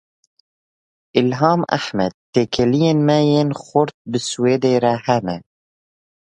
Îlham Ehmed Têkiliyên me yên xurt bi Swêdê re hene.